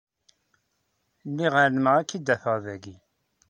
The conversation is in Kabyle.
Lliɣ ɛelmeɣ ad k-id-afeɣ dayi.